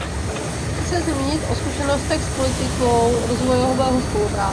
Chci se zmínit o zkušenostech s politikou rozvojové spolupráce.